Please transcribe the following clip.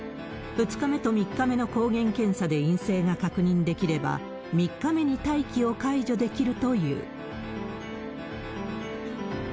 ２日目と３日目の抗原検査で陰性が確認できれば、３日目に待機を解除できるという。